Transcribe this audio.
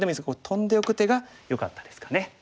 トンでおく手がよかったですかね。